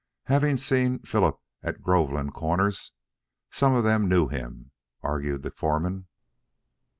Having seen Philip at Groveland Comers, some of them knew him, argued the foreman.